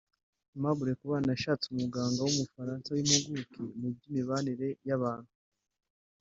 Aimable Kubana yashatse umuganga w’Umufaransa w’impuguke mu by’imibanire y’abantu